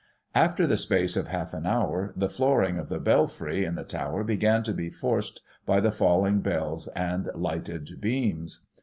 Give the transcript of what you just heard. " After the space of half an hour, the flooring of the belfry in the tower began to be forced by the falling bells and lighted beams.